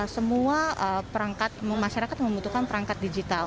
semua perangkat masyarakat membutuhkan perangkat digital